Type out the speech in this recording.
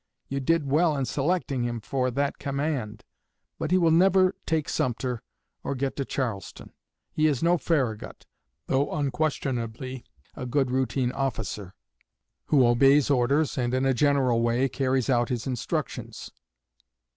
You did well in selecting him for that command, but he will never take Sumter or get to Charleston. He is no Farragut, though unquestionably a good routine officer, who obeys orders and in a general way carries out his instructions.'"